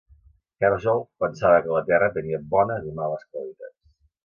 Herjolf pensava que la terra tenia bones i males qualitats.